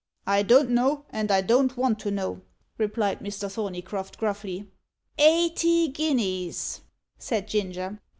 "I don't know, and I don't want to know," replied Mr. Thorneycroft gruffly. "Eighty guineas," said Ginger.